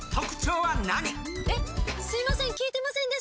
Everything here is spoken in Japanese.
えっすいません。